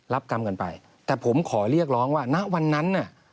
รับกรรมกันไปแต่ผมขอเรียกร้องว่าณวันนั้นน่ะ